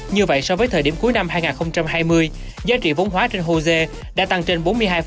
như vậy so với thời điểm cuối năm hai nghìn hai mươi giá trị vốn hóa trên hosea đã tăng trên bốn mươi hai